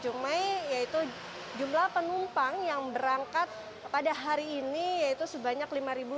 berdasarkan data dari ku dua puluh satu penumpang yang berangkat pada hari ini sebanyak lima sembilan ratus lima puluh